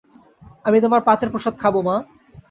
আমি তোমার পাতের প্রসাদ খাব মা।